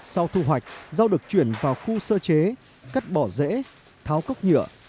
sau thu hoạch rau được chuyển vào khu sơ chế cắt bỏ rễ tháo cốc nhựa